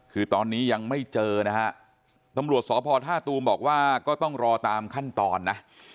คือตอนนี้ยังไม่เจอนะฮะตำรวจสพท่าตูมบอกว่าก็ต้องรอตามขั้นตอนนะ